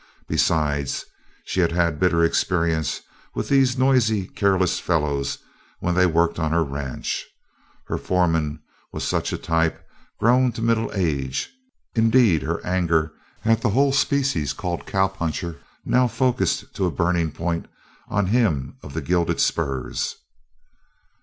Besides, she had had bitter experience with these noisy, careless fellows when they worked on her ranch. Her foreman was such a type grown to middle age. Indeed her anger at the whole species called "cowpuncher" now focused to a burning point on him of the gilded spurs.